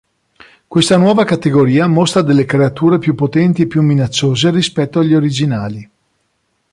Questa nuova categoria mostra delle creature più potenti e più minacciose rispetto agli originali.